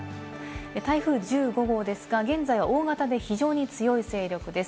台風１５号ですが現在は大型で非常に強い勢力です。